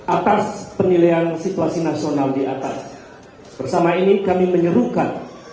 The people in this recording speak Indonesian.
atas penilaian situasi nasional di atas bersama ini kami menyerukan